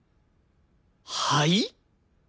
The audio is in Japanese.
はい？